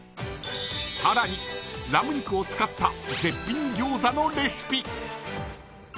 さらにラム肉を使った絶品餃子のレシピ。